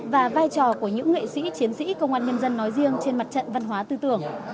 và vai trò của những nghệ sĩ chiến sĩ công an nhân dân nói riêng trên mặt trận văn hóa tư tưởng